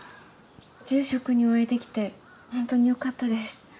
住職にお会いできて本当によかったです。